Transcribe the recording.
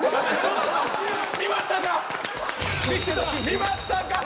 見ましたか？